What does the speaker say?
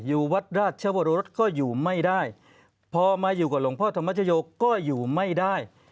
อยู่วัดราชวรสก็อยู่ไม่ได้พอมาอยู่กับหลวงพ่อธรรมชโยก็อยู่ไม่ได้